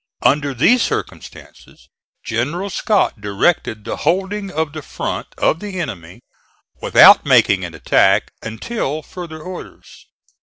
Under these circumstances General Scott directed the holding of the front of the enemy without making an attack until further orders.